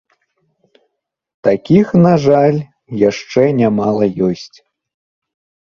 Такіх, на жаль, яшчэ нямала ёсць.